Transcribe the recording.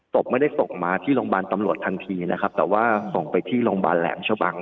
ศพไม่ได้ส่งมาที่โรงพยาบาลตำรวจทันทีนะครับแต่ว่าส่งไปที่โรงพยาบาลแหลมชะบัง